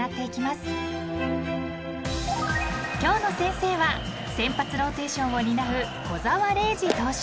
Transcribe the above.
［今日の先生は先発ローテーションを担う小澤怜史投手］